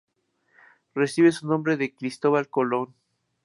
Recibe su nombre de Cristóbal Colón.